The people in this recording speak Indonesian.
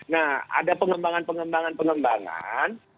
nah ada pengembangan pengembangan